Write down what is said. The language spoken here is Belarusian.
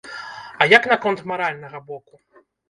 А як наконт маральнага боку?